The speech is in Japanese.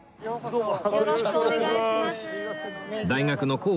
どうも。